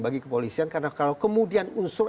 bagi kepolisian karena kalau kemudian unsur